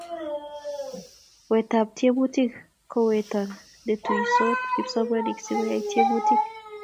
weetab tiemutik ko weto netuisiot kipsomaninik sikoyae tiemutik